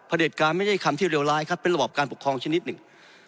เด็จการไม่ใช่คำที่เลวร้ายครับเป็นระบอบการปกครองชนิดหนึ่ง